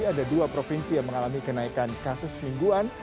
ada dua provinsi yang mengalami kenaikan kasus mingguan